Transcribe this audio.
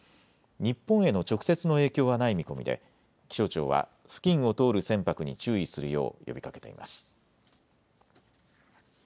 日本への直接の影響はない見込みで気象庁は付近を通る船舶に注意するよう呼びかけています。